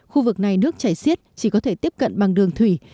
khu vực này nước chảy xiết chỉ có thể tiếp cận bằng đường thủy